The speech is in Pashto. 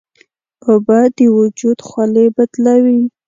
اوبه د وجود خولې بدلوي.